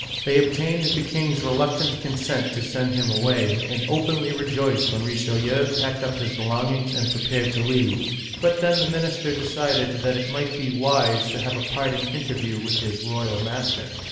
They obtained the king's reluctant consent to send him away, and openly re joiced when Richelieu packed up his belongings and pre pared to leave ; but then the minister decided that it might be wise to have a parting interview with his royal master.